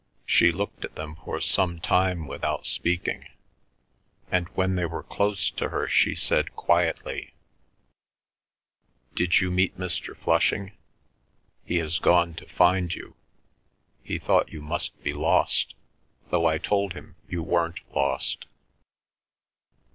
She looked at them for some time without speaking, and when they were close to her she said quietly: "Did you meet Mr. Flushing? He has gone to find you. He thought you must be lost, though I told him you weren't lost."